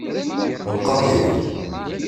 Qṛib.